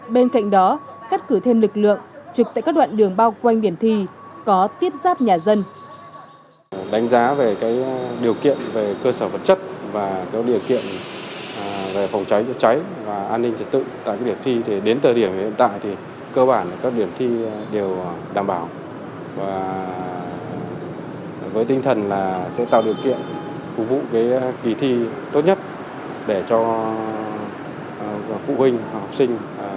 bên cạnh đó cắt cử thêm lực lượng trực tại các đoạn đường bao quanh điểm thi có tiếp giáp nhà dân